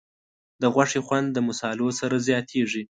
د غوښې خوند د مصالحو سره زیاتېږي.